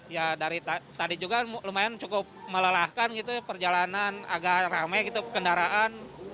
ya dari tadi juga lumayan cukup melelahkan gitu perjalanan agak rame gitu kendaraan